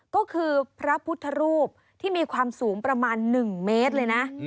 ก็คือพระพุทธรูปที่มีความสูงประมาณ๑เมตรเลยนะ